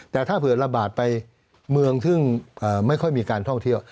แต่ถ้าเผื่อระบาดไปเมืองซึ่งไม่ค่อยมีการท่องเที่ยว